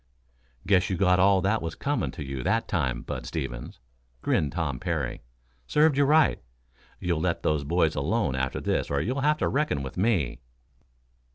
"Guess you got all that was coming to you that time, Bud Stevens," grinned Tom Parry. "Served you right. You'll let those boys alone after this or you'll have to reckon with me."